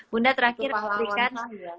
bunda terakhir berikan